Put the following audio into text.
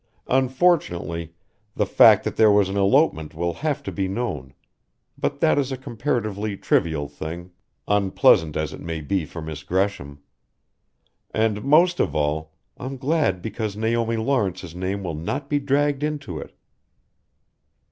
Unfortunately, the fact that there was an elopement will have to be known but that is a comparatively trivial thing, unpleasant as it may be for Miss Gresham. And, most of all I'm glad because Naomi Lawrence's name will not be dragged into it."